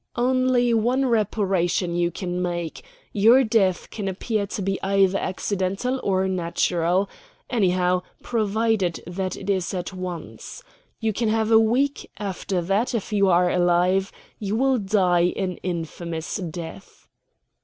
"Only one reparation you can make. Your death can appear to be either accidental or natural anyhow, provided that it is at once. You can have a week; after that, if you are alive, you will die an infamous death."